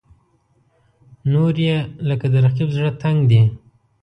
نورې یې لکه د رقیب زړه تنګ دي.